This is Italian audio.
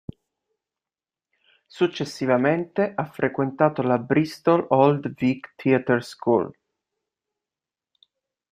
Successivamente ha frequentato la Bristol Old Vic Theatre School.